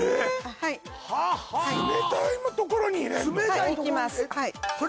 はー冷たいところに入れんの？